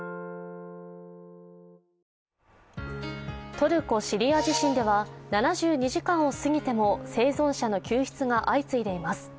トルコ・シリア地震では７２時間を過ぎても生存者の救出が相次いでいます。